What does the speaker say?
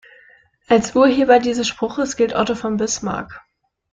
Als Urheber dieses Spruches gilt Otto von Bismarck.